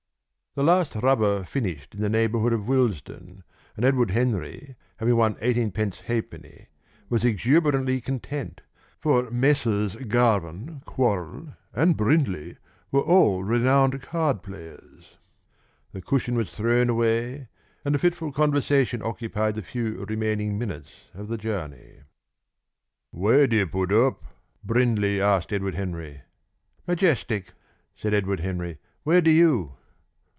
The last rubber finished in the neighbourhood of Willesden, and Edward Henry, having won eighteen pence halfpenny, was exuberantly content, for Messrs. Garvin, Quorrall, and Brindley were all renowned card players. The cushion was thrown away, and a fitful conversation occupied the few remaining minutes of the journey. "Where do you put up?" Brindley asked Edward Henry. "Majestic," said Edward Henry. "Where do you?"